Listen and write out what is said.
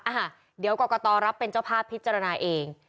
อ่ะเดี๋ยวกรกตรับเป็นเจ้าภาพพิจารณาเอง